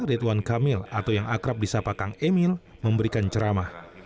ridwan kamil atau yang akrab di sapa kang emil memberikan ceramah